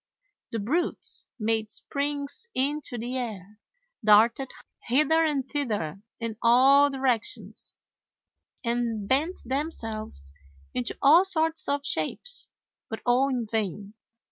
The brutes made springs into the air, darted hither and thither in all directions, and bent themselves into all sorts of shapes but all in vain.